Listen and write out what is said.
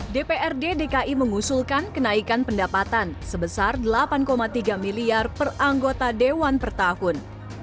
dprd dki mengusulkan kenaikan pendapatan sebesar delapan tiga miliar per anggota dewan per tahun